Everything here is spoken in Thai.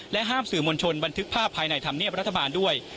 ห้ามสื่อมวลชนบันทึกภาพภายในธรรมเนียบรัฐบาลด้วย